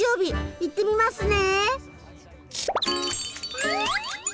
行ってみますね！